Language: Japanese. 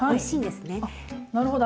あなるほど。